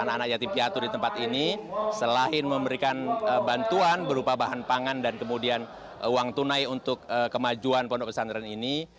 anak yatim piatu di tempat ini selain memberikan bantuan berupa bahan pangan dan kemudian uang tunai untuk kemajuan pondok pesantren ini